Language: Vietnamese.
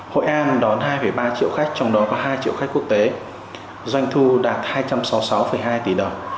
hội an đón hai ba triệu khách trong đó có hai triệu khách quốc tế doanh thu đạt hai trăm sáu mươi sáu hai tỷ đồng